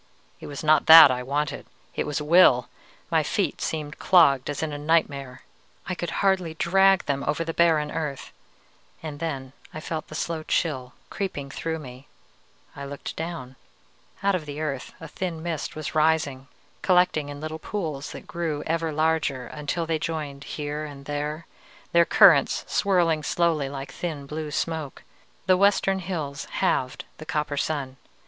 _ It was not that I wanted, it was will! My feet seemed clogged as in a nightmare. I could hardly drag them over the barren earth. And then I felt the slow chill creeping through me. I looked down. Out of the earth a thin mist was rising, collecting in little pools that grew ever larger until they joined here and there, their currents swirling slowly like thin blue smoke. The western hills halved the copper sun.